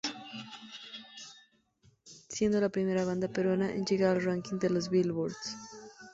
Siendo la primera banda Peruana en llegar al ranking de los Billboards.